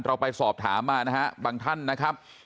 เราไปสอบถามมานะฮะบางท่านนะครับ